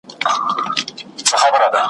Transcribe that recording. او په ګلڅانګو کي له تاکه پیمانې وي وني ,